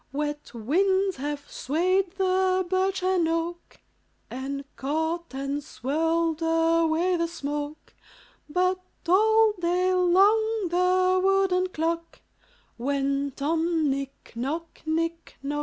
Wet winds have swayed the birch and oak, And caught and swirled away the smoke, But, all day long, the wooden clock Went on, Nic noc, nic noc.